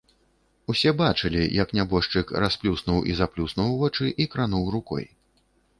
Усе бачылі, як нябожчык расплюснуў і заплюснуў вочы і крануў рукой.